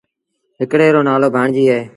هڪڙي رو نآلو ڀآڻجيٚ اهي۔